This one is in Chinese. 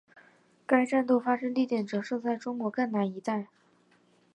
该战斗发生地点则是在中国赣南一带。